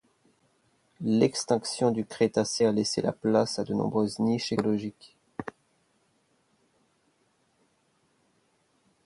L'extinction du Crétacé a laissé la place à de nombreuses niches écologiques.